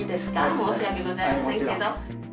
申し訳ございませんけど。